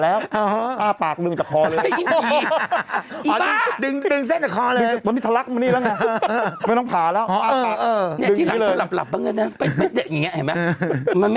เอาใจลูกค้านี้เก่งไหมพี่หนุ่ม